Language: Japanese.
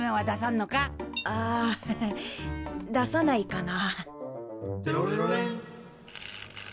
ああ出さないかな。